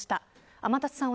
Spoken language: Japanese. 天達さん